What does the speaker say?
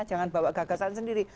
jangan bawa gagasan sendiri